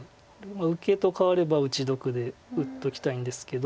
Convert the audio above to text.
受けと換われば打ち得で打っときたいんですけど。